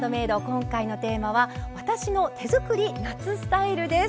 今回のテーマは「私の手作り夏スタイル」です。